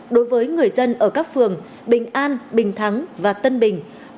đối với người dân ở các phường bình an bình thắng và tân đông hiệp